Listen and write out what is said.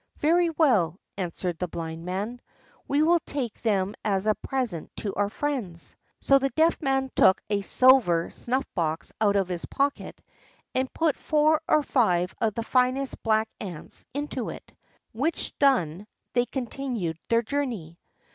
"Very well," answered the Blind Man; "we will take them as a present to our friends." So the Deaf Man took a silver snuff box out of his pocket, and put four or five of the finest black ants into it; which done, they continued their journey.